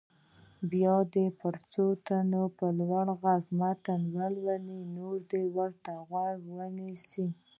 بیا دې څو تنه په لوړ غږ متن ولولي نور دې ورته غوږ ونیسي.